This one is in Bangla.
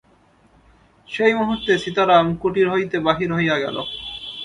সেই মুহূর্তে সীতারাম কুটির হইতে বাহির হইয়া গেল।